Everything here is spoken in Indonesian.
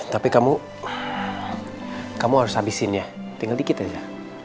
tapi kamu harus habisin ya tinggal dikit aja